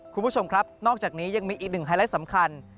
คุณผู้ชมครับนอกจากนี้ยังมีอีกหนึ่งไฮไลท์สำคัญ